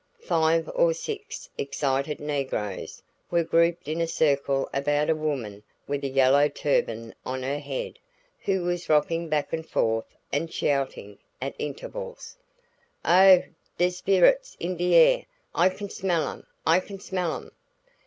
Five or six excited negroes were grouped in a circle about a woman with a yellow turban on her head, who was rocking back and forth and shouting at intervals: "Oh h, dere's sperrits in de air! I can smell um. I can smell um."